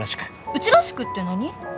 うちらしくって何？